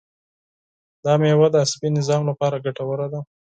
دا مېوه د عصبي نظام لپاره ګټوره ده.